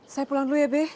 saya pulang dulu ya be